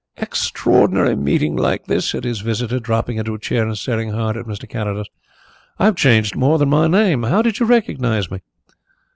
"Extraordinary thing meeting like this," said his visitor, dropping into a chair and staring hard at Mr. Carrados. "I have changed more than my name. How did you recognize me?"